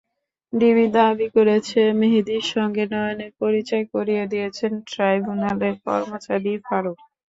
DB দাবি করেছে, মেহেদীর সঙ্গে নয়নের পরিচয় করিয়ে দিয়েছেন ট্রাইব্যুনালের কর্মচারী ফারুক।